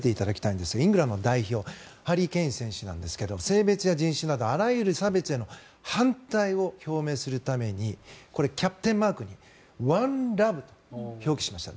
イングランド代表ハリー・ケイン選手ですが性別や人種などあらゆる差別への反対を表明するためにこれ、キャプテンマークに「ＯＮＥＬＯＶＥ」と表記しました。